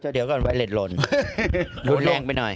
เดี๋ยวก่อนไว้เล็ดลนโหแรงไปหน่อย